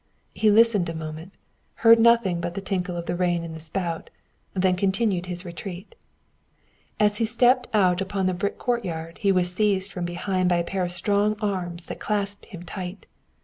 He listened a moment, heard nothing but the tinkle of the rain in the spout, then continued his retreat. As he stepped out upon the brick courtyard he was seized from behind by a pair of strong arms that clasped him tight.